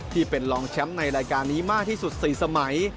ที่เป็นรองแชมป์ในรายการนี้มากที่สุด๔สมัย